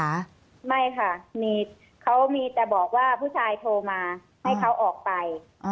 ไม่ค่ะมีเขามีแต่บอกว่าผู้ชายโทรมาให้เขาออกไป